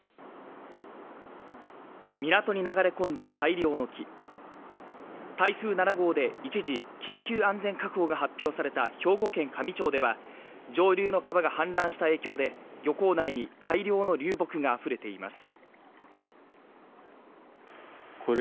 港に流れ込んだ大量の木台風７号で一時緊急安全確保が発表された兵庫県香美町では上流の川が氾濫した影響で漁港内に大量の流木があふれています